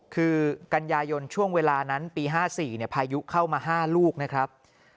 คือกันยายนช่วงเวลานั้นปี๕๔พายุเข้ามา๕ลูกนะครับ